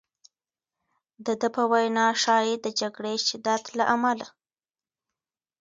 د ده په وینا ښایي د جګړې شدت له امله.